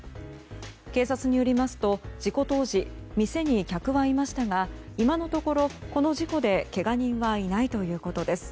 警察によりますと事故当時、店に客はいましたが今のところ、この事故でけが人はいないということです。